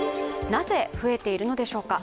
なぜ増えているのでしょうか。